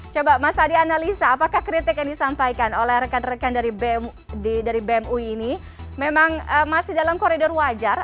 coba mas adi analisa apakah kritik yang disampaikan oleh rekan rekan dari bem ui ini memang masih dalam koridor wajar